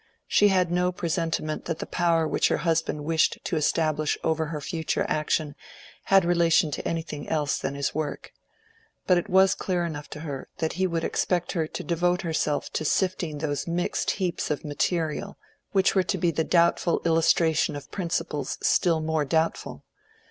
She had no presentiment that the power which her husband wished to establish over her future action had relation to anything else than his work. But it was clear enough to her that he would expect her to devote herself to sifting those mixed heaps of material, which were to be the doubtful illustration of principles still more doubtful.